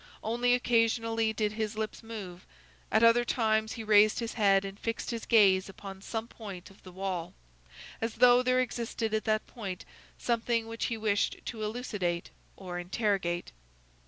Only occasionally did his lips move; at other times he raised his head and fixed his gaze upon some point of the wall, as though there existed at that point something which he wished to elucidate or interrogate.